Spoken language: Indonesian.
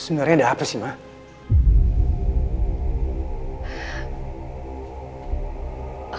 sebenernya ada apa sih ma